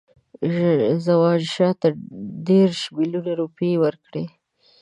زمانشاه ته دېرش میلیونه روپۍ ورکړي.